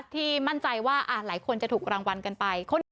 ที่มั่นใจว่าหลายคนจะถูกรางวัลกันไป